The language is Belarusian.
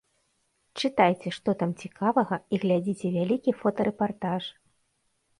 Чытайце, што там цікавага, і глядзіце вялікі фотарэпартаж.